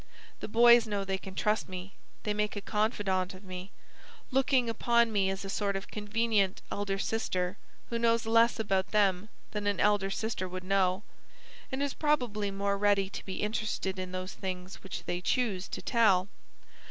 The boys know they can trust me; they make a confidante of me, looking upon me as a sort of convenient elder sister who knows less about them than an elder sister would know, and is probably more ready to be interested in those things which they choose to tell.